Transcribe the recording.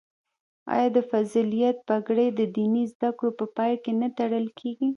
آیا د فضیلت پګړۍ د دیني زده کړو په پای کې نه تړل کیږي؟